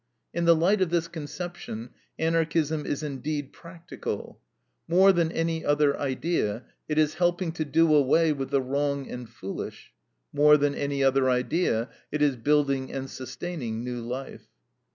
In the light of this conception, Anarchism is indeed practical. More than any other idea, it is helping to do away with the wrong and foolish; more than any other idea, it is building and sustaining new life.